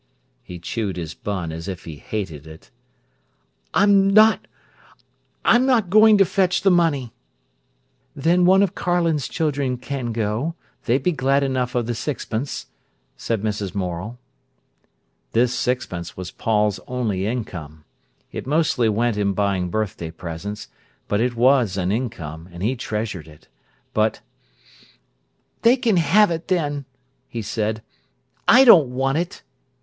He chewed his bun as if he hated it. "I'm not—I'm not going to fetch the money." "Then one of Carlin's children can go; they'd be glad enough of the sixpence," said Mrs. Morel. This sixpence was Paul's only income. It mostly went in buying birthday presents; but it was an income, and he treasured it. But— "They can have it, then!" he said. "I don't want it."